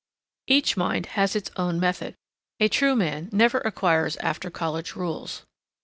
Each mind has its own method. A true man never acquires after college rules.